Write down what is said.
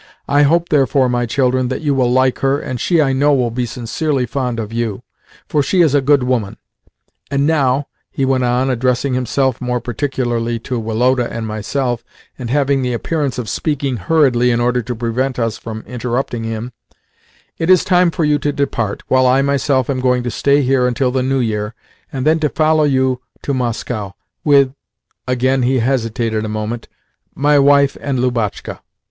I hope, therefore, my children, that you will like her, and she, I know, will be sincerely fond of you, for she is a good woman. And now," he went on, addressing himself more particularly to Woloda and myself, and having the appearance of speaking hurriedly in order to prevent us from interrupting him, "it is time for you to depart, while I myself am going to stay here until the New Year, and then to follow you to Moscow with" again he hesitated a moment "my wife and Lubotshka."